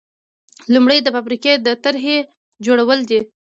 لومړی د فابریکې د طرحې جوړول دي.